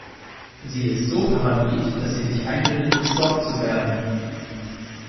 Sie ist so paranoid, dass sie sich einbildet, gestalkt zu werden.